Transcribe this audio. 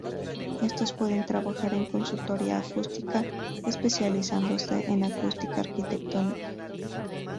Estos pueden trabajar en consultoría acústica, especializándose en acústica arquitectónica.